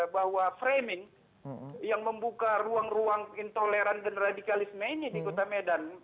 bahwa framing yang membuka ruang ruang intoleran dan radikalisme ini di kota medan